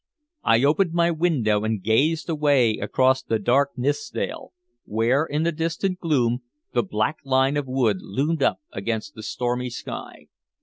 I opened my window and gazed away across the dark Nithsdale, where, in the distant gloom, the black line of wood loomed up against the stormy sky.